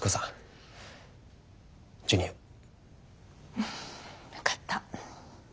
うん分かった。